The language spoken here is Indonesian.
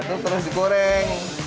itu terus di goreng